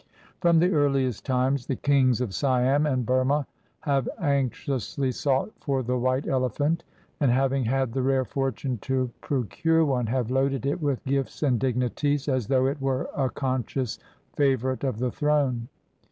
From the earliest times the kings of Siam and Burmah have anxiously sought for the white elephant, and hav ing had the rare fortune to procure one, have loaded it with gifts and dignities, as though it were a conscious favorite of the throne.